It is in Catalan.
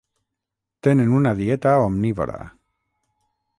Tenen una dieta omnívora.